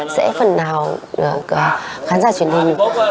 sẽ phần nào được khán giả truyền hình